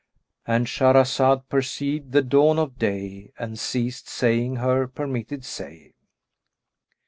—And Shahrazad perceived the dawn of day and ceased saying her permitted say.